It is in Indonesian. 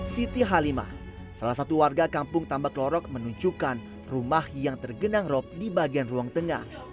siti halimah salah satu warga kampung tambak lorok menunjukkan rumah yang tergenang rop di bagian ruang tengah